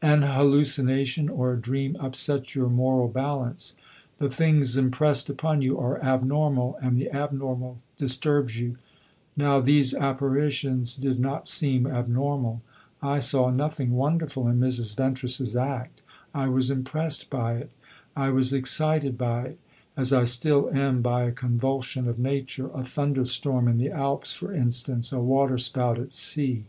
An hallucination or a dream upsets your moral balance. The things impressed upon you are abnormal; and the abnormal disturbs you. Now these apparitions did not seem abnormal. I saw nothing wonderful in Mrs. Ventris's act. I was impressed by it, I was excited by it, as I still am by a convulsion of nature a thunder storm in the Alps, for instance, a water spout at sea.